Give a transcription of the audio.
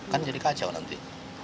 kan jadi kacau nanti